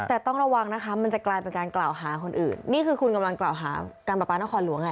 แต่ต้องระวังนะคะมันจะกลายเป็นการกล่าวหาคนอื่นนี่คือคุณกำลังกล่าวหาการประปานครหลวงไง